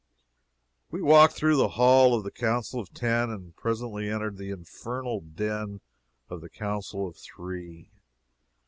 We walked through the hall of the Council of Ten, and presently entered the infernal den of the Council of Three.